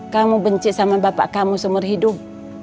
kamu benci sama bapak kamu seumur hidup